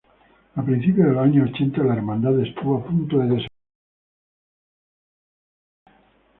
A principios de los años ochenta, la Hermandad estuvo a punto de desaparecer.